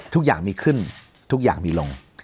ทุกอย่างมีขึ้นทุกอย่างมีลง